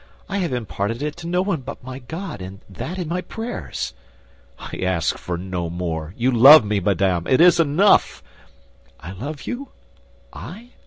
I have imparted it to no one but my God, and that in my prayers." "I ask for no more. You love me, madame; it is enough." "I love you, I?"